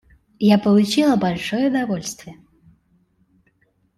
Я получила большое удовольствие.